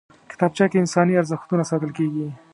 کتابچه کې انساني ارزښتونه ساتل کېږي